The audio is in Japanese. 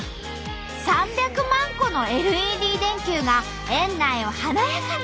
３００万個のＬＥＤ電球が園内を華やかに演出。